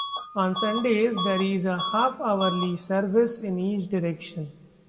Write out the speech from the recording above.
On Sundays there is a half-hourly service in each direction.